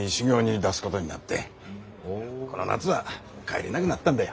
この夏は帰れなぐなったんだよ。